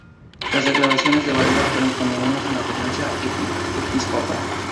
Las declaraciones de Varela fueron condenadas por la Conferencia Episcopal.